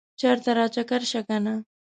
چرته راچکر شه کنه